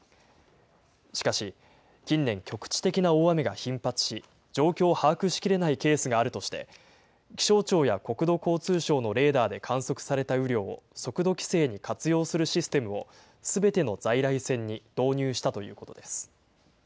しかし、近年、局地的な大雨が頻発し、状況を把握しきれないケースがあるとして、気象庁や国土交通省のレーダーで観測された雨量を速度規制に活用するシステムを、すべての在来線に導入したということです。